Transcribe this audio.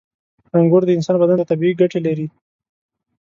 • انګور د انسان بدن ته طبیعي ګټې لري.